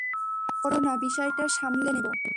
চিন্তা করো না, বিষয়টা সামলে নেব।